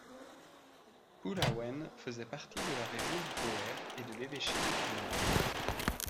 Poullaouen faisait partie de la région du Poher et de l'évêché de Cornouaille.